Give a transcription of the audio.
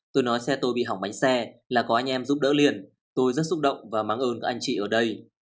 tôi nói xe tôi bị hỏng máy xe là có anh em giúp đỡ liền tôi rất xúc động và mắng ơn các anh chị ở đây